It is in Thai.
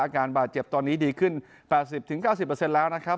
อาการบาดเจ็บตอนนี้ดีขึ้น๘๐๙๐แล้วนะครับ